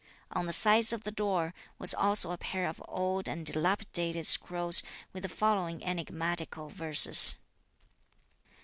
On the sides of the door was also a pair of old and dilapidated scrolls with the following enigmatical verses.